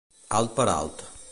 Alt per alt.